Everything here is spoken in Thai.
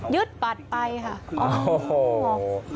ยึดบัตรไปค่ะ